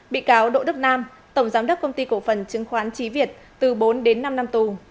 bị cáo đỗ đức nam tổng giám đốc công ty cổ phần chứng khoán trí việt từ bốn đến năm năm tù